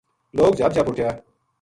لوک جھب جھب اُٹھیا